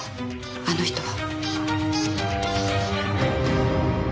あの人は。